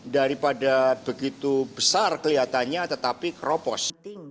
daripada begitu besar kelihatannya tetapi keropos